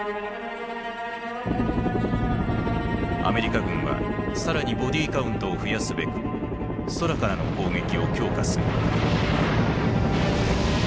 アメリカ軍は更にボディカウントを増やすべく空からの攻撃を強化する。